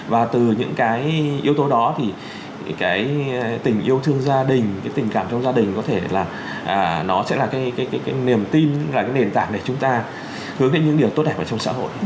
và từ những cái yếu tố đó thì cái tình yêu thương gia đình cái tình cảm trong gia đình có thể là nó sẽ là cái niềm tin là cái nền tảng để chúng ta hướng đến những điều tốt đẹp ở trong xã hội